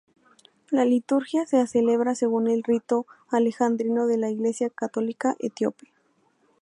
La liturgia se celebra según el rito alejandrino de la Iglesia católica etíope.